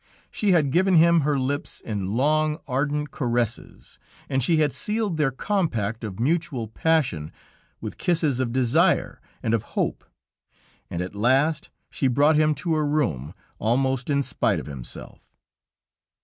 She had given him her lips in long, ardent caresses, and she had sealed their compact of mutual passion with kisses of desire and of hope. And at last she brought him to her room, almost in spite of himself."